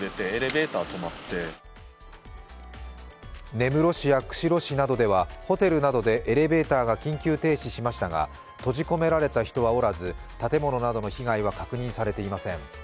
根室市や釧路市などではホテルなどでエレベーターが緊急停止しましたが閉じ込められた人はおらず、建物などの被害は確認されていません。